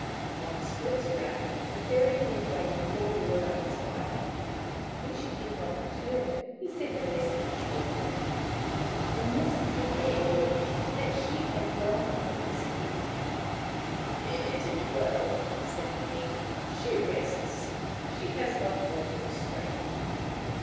On the sports ground the Fairy King waited for Ruarangi's wife. When she did not return, he sent a messenger for her. The messenger brought word that she had gone on to the city. 76 Maoriland Fairy Tales " It is well," said the King. " She rests. She has but mortal strength."